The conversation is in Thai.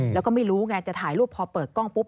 แล้วก็ไม่รู้ไงจะถ่ายรูปพอเปิดกล้องปุ๊บ